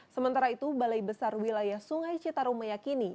sementara itu balai besar wilayah sungai citarum meyakini